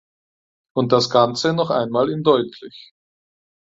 Und das ganze noch einmal in deutlich.